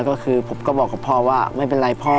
ก็คือผมก็บอกกับพ่อว่าไม่เป็นไรพ่อ